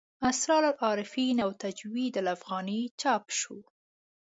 اسرار العارفین او تجوید الافغاني چاپ شو.